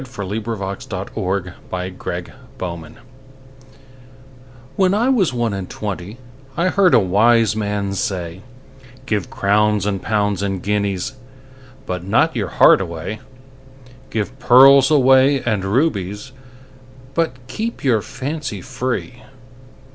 1896. XIII. When I was one and twenty WHEN I was one and twentyI heard a wise man say,'Give crowns and pounds and guineasBut not your heart away; Give pearls away and rubiesBut keep your fancy free.